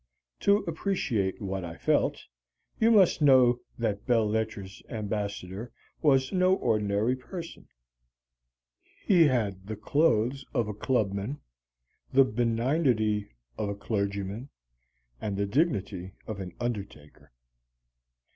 To appreciate what I felt, you must know that Belles Lettres' ambassador was no ordinary person. He had the clothes of a clubman, the benignity of a clergyman, and the dignity of an undertaker.